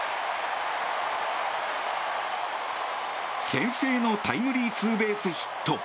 先制のタイムリーツーベースヒット。